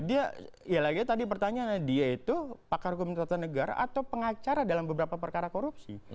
dia ya lagi tadi pertanyaannya dia itu pakar hukum tata negara atau pengacara dalam beberapa perkara korupsi